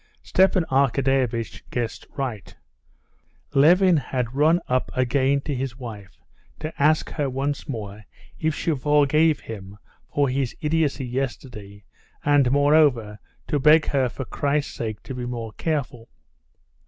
Stepan Arkadyevitch guessed right. Levin had run up again to his wife to ask her once more if she forgave him for his idiocy yesterday, and, moreover, to beg her for Christ's sake to be more careful.